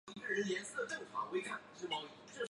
公子完和陈宣公的太子御寇交好。